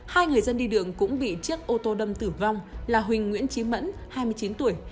hai người dân đi đường cũng bị chiếc ô tô đâm tử vong là huỳnh nguyễn trí mẫn hai mươi chín tuổi